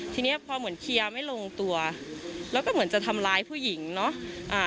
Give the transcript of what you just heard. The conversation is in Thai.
ทีนี้พอเหมือนเคลียร์ไม่ลงตัวแล้วก็เหมือนจะทำร้ายผู้หญิงเนอะอ่า